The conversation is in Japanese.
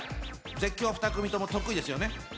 絶叫２組とも得意ですよね？